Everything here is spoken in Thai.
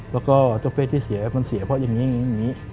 แล้วก็เจ้าเพศที่เสียมันเสียเพราะอย่างนี้